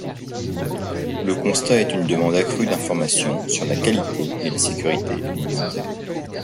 Le constat est une demande accrue d'information sur la qualité et la sécurité alimentaire.